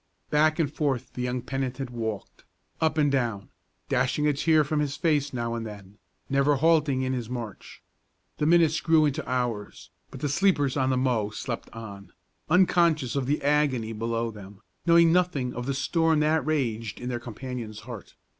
Back and forth the young penitent walked, up and down, dashing a tear from his face now and then, never halting in his march. The minutes grew into hours; but the sleepers on the mow slept on, unconscious of the agony below them, knowing nothing of the storm that raged in their companion's heart.